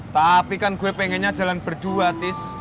tapi kan gue pengennya jalan berdua tis